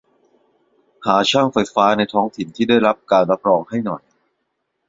หาช่างไฟฟ้าในท้องถิ่นที่ได้ที่รับการรับรองให้หน่อย